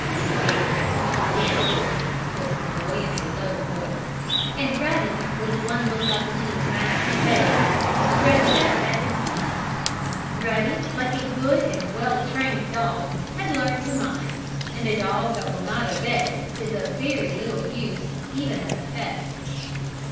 "Quiet, Ruddy! Down!" spoke the boy in a low voice, and Ruddy, with one look up into his master's face stretched out at his feet. Ruddy, like a good and well trained dog, had learned to mind, and a dog that will not obey is of very little use, even as a pet.